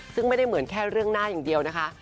ซึ่งไม่ได้เหมือนแค่เรื่องหน้าอย่างเดียวนะคะ